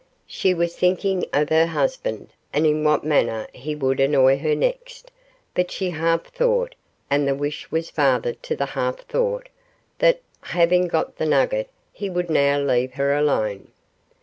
She was thinking of her husband, and in what manner he would annoy her next; but she half thought and the wish was father to the half thought that having got the nugget he would now leave her alone.